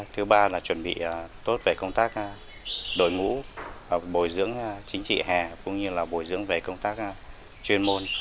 thứ ba là chuẩn bị tốt về công tác đội ngũ bồi dưỡng chính trị hè cũng như là bồi dưỡng về công tác chuyên môn